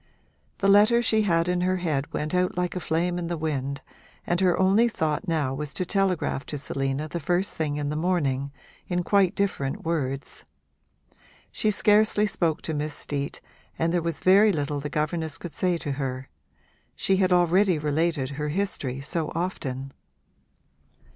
The letter she had in her head went out like a flame in the wind and her only thought now was to telegraph to Selina the first thing in the morning, in quite different words. She scarcely spoke to Miss Steet and there was very little the governess could say to her: she had already related her history so often.